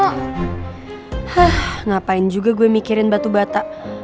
hah ngapain juga gue mikirin batu bata